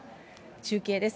中継です。